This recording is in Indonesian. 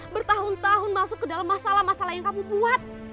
bertahun tahun masuk ke dalam masalah masalah yang kamu buat